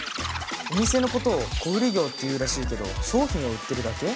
お店のことを小売業っていうらしいけど商品を売ってるだけ？